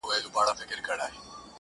پر هر ځای چي ټولۍ وینی د پوهانو٫